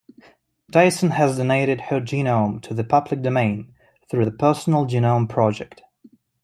Dyson has donated her genome to the public domain through the Personal Genome Project.